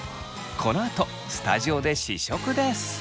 このあとスタジオで試食です！